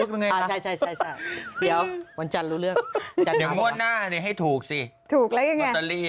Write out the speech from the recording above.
ก็หล่อเพิ่งมาจากเกาหลี